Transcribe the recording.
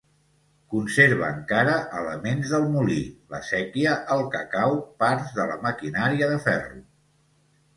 Conserva encara elements del molí: la séquia, el cacau, parts de la maquinària de ferro.